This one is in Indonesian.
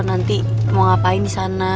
nanti mau ngapain disana